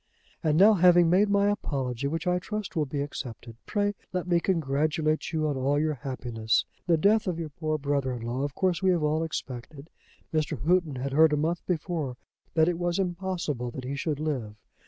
"And now, having made my apology, which I trust will be accepted, pray let me congratulate you on all your happiness. The death of your poor brother in law of course we have all expected. Mr. Houghton had heard a month before that it was impossible that he should live.